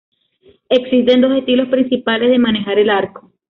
Existen dos estilos principales de manejar el arco.